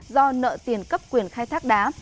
do nợ tiền cấp quyền khai thác đá